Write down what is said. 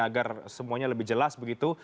agar semuanya lebih jelas begitu